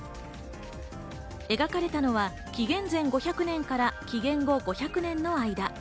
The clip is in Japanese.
描かれたのは紀元前５００年から紀元後５００年の間。